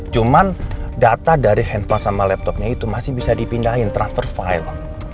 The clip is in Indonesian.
cuman data dari handphone sama laptopnya itu masih bisa dipindahin transfer file